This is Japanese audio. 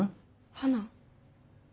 花？